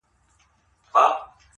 کږه ملا په قبر کي سمېږي.